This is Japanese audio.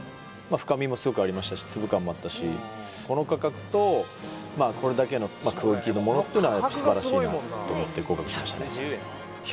深みもすごくありましたし粒感もあったしこの価格とこれだけのクオリティのものっていうのは素晴らしいなと思って合格にしましたね